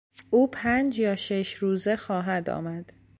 او پنج یا شش روزه خواهد آمد.